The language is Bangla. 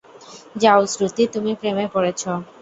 যাও শ্রুতি তুমি প্রেমে পড়েছো?